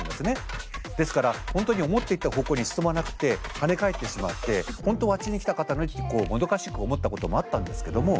ですから本当に思っていた方向に進まなくて跳ね返ってしまって本当はあっちに行きたかったのにってこうもどかしく思ったこともあったんですけども。